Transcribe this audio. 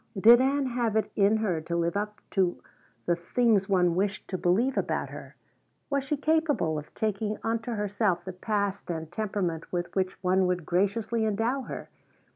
Did Ann have it in her to live up to the things one wished to believe about her? Was she capable of taking unto herself the past and temperament with which one would graciously endow her?